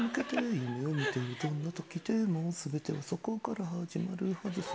夢をみてよどんな時でも全てはそこから始まるはずさ